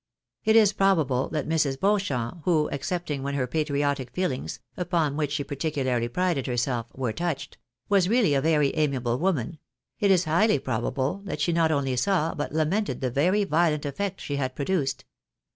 It is pro bable that Mrs. Beauchamp, who, excepting when her patriotic f _'elings (upon which she particularly prided herself) were touched, was really a very amiable woman — it is highly probable that she not only saw, but lamented the very violent effect she had pro duced.